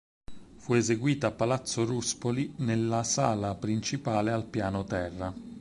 Fu eseguita a Palazzo Ruspoli nella sala principale al piano terra.